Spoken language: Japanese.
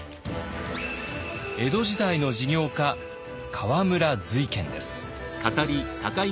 江戸時代の事業家河村瑞賢です。